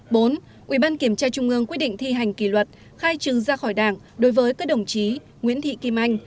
bốn ubnd quyết định thi hành kỷ luật khai trừ ra khỏi đảng đối với các đồng chí nguyễn thị kim anh